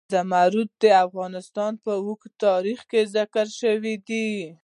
زمرد د افغانستان په اوږده تاریخ کې ذکر شوی دی.